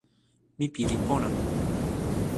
mi pilin pona.